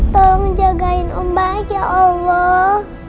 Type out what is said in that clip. tolong jagain om baik ya allah